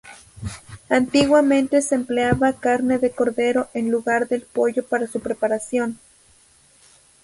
Antiguamente se empleaba carne de cordero en lugar del pollo para su preparación.